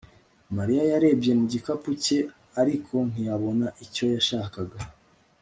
Mariya yarebye mu gikapu cye ariko ntiyabona icyo yashakaga